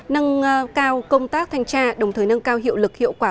nâng cao công tác thanh tra đồng thời nâng cao hiệu lực hiệu quả